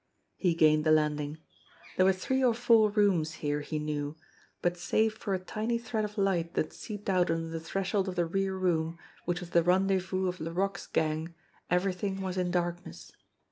He gained the landing. There were three or four rooms, here, he knew, but save for a tiny thread of light that seeped out under the threshold of the rear room, which was the rendezvous of Laroque's gang, everything was in darkness.